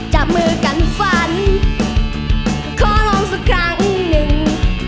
จับมือกันฝันขอลองสักครั้งหนึ่ง